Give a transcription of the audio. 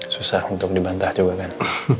susah untuk dibantah juga kan